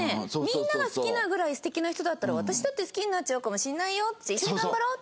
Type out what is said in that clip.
「みんなが好きなぐらい素敵な人だったら私だって好きになっちゃうかもしれないよ」って「一緒に頑張ろう？」